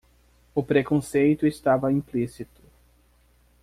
O preconceito estava implícito